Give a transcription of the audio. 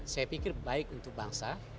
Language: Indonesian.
saya pikir baik untuk bangsa